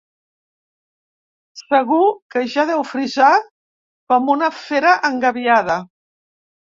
Segur que ja deu frisar com una fera engabiada.